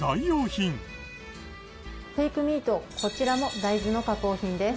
フェイクミートこちらも大豆の加工品です。